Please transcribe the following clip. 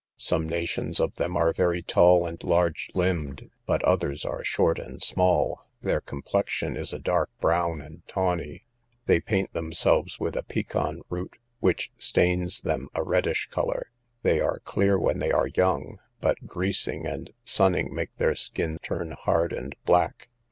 Some nations of them are very tall and large limbed, but others are short and small; their complexion is a dark brown and tawny. They paint themselves with a pecone root, which stains them a reddish colour. They are clear when they are young, but greasing and sunning make their skin turn hard and black.